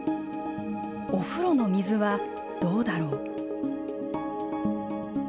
お風呂の水はどうだろう。